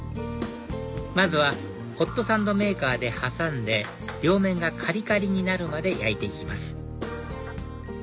まずはホットサンドメーカーで挟んで両面がカリカリになるまで焼いていきます